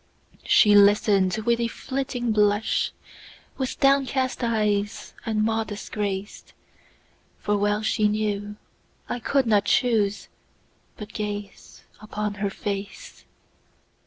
She listen'd with a flitting blush, With downcast eyes and modest grace; For well she knew, I could not chooseBut gaze upon her face.